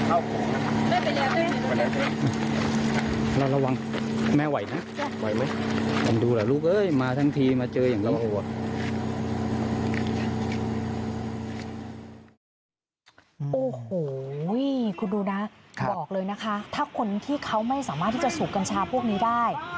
โอ้โหคุณดูนะบอกเลยนะคะถ้าคนที่เขาไม่สามารถที่จะสูบกัญชาพวกนี้ได้